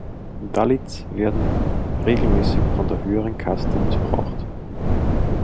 Dalits werden regelmäßig von der höheren Kaste missbraucht.